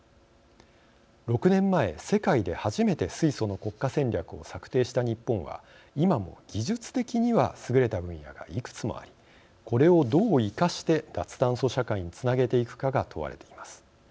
６年前、世界で初めて水素の国家戦略を策定した日本は今も技術的には優れた分野がいくつもありこれをどう生かして脱炭素社会につなげていくかが問われています。